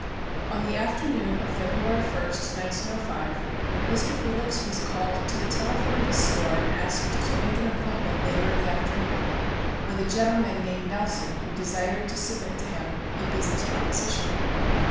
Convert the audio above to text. On the afternoon of February 1st, 1905, Mr. Felix was called to the telephone of his store and asked to make an appointment later in the afternoon, with a gentleman named Nelson who desired to submit to him a business proposition.